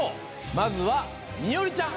まずは美織ちゃん！